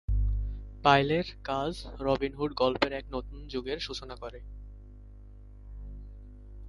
পাইলের কাজ Robin Hood গল্পের এক নতুন যুগের সূচনা করে।